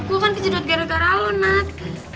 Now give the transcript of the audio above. gue kan kejadot gara gara lo nat